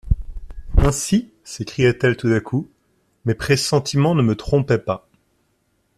—«Ainsi,» s’écria-t-elle tout à coup, «mes pressentiments ne me trompaient pas.